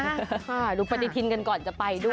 ค่ะรุกปฏิทินกันก่อนจะไปด้วย